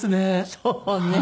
そうね。